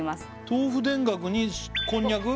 豆腐田楽にこんにゃく？